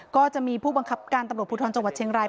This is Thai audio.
ก็จะมีผู้บังคับการตำรวจภูทรจังหวัดเชียงราย